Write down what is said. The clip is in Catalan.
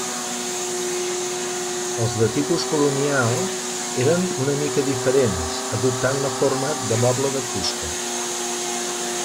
Els de tipus colonial eren una mica diferents adoptant la forma de moble de fusta.